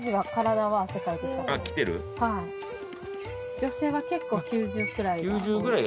女性は結構９０くらいが。